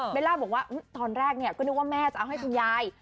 ล่าบอกว่าตอนแรกเนี่ยก็นึกว่าแม่จะเอาให้คุณยาย